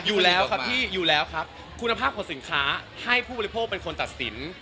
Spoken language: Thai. อยู่แล้วครับพี่อยู่แล้วครับคุณภาพของสินค้าให้ผู้บริโภคเป็นคนตัดสิน